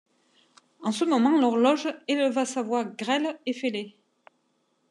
En ce moment l’horloge éleva sa voix grêle et fêlée.